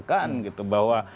kan gitu bahwa